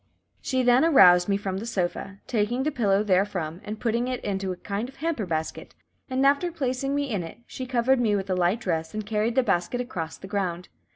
She then aroused me from the sofa, taking the pillow therefrom, and putting it into a kind of hamper basket, and after placing me in it, she covered me with a light dress, and carried the basket across the ground.